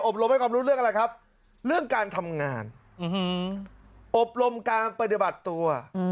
รมให้ความรู้เรื่องอะไรครับเรื่องการทำงานอบรมการปฏิบัติตัว